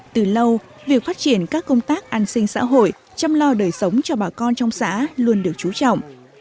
từ lâu việc phát triển các công tác an sinh xã hội chăm lo đời sống cho bà con trong xã luôn được chú trọng